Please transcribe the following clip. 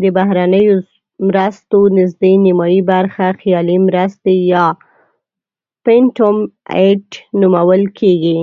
د بهرنیو مرستو نزدې نیمایي برخه خیالي مرستې یا phantom aid نومول کیږي.